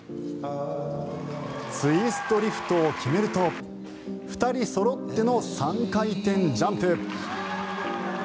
ツイストリフトを決めると２人そろっての３回転ジャンプ。